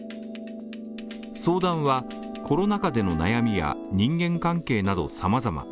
相談はコロナ禍での悩みや人間関係など様々。